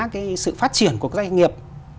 cái sự phát triển của các doanh nghiệp